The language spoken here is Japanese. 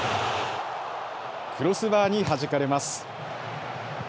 クロスバーにはじかれます。